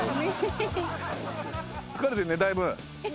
疲れてるねだいぶ。